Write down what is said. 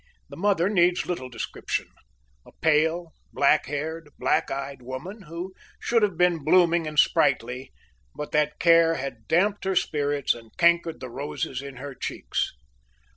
The mother needs little description a pale, black haired, black eyed woman, who should have been blooming and sprightly, but that care had damped her spirits, and cankered the roses in her cheeks.